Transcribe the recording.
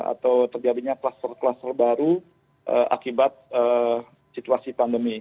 atau terjadinya kluster kluster baru akibat situasi pandemi